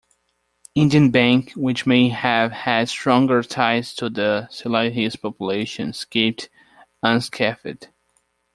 Indian Bank, which may have had stronger ties to the Sinhalese population, escaped unscathed.